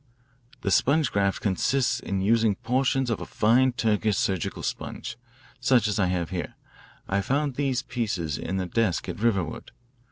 "The sponge graft consists in using portions of a fine Turkish surgical sponge, such I have here. I found these pieces in a desk at Riverwood.